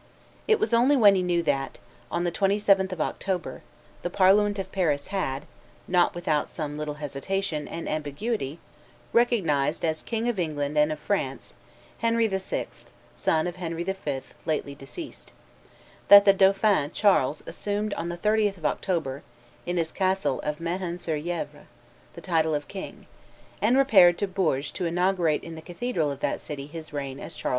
It was only when he knew that, on the 27th of October, the parliament of Paris had, not without some little hesitation and ambiguity, recognized "as King of England and of France, Henry VI., son of Henry V. lately deceased," that the dauphin Charles assumed on the 30th of October, in his castle of Mehun sur Yevre, the title of king, and repaired to Bourges to inaugurate in the cathedral of that city his reign as Charles VII.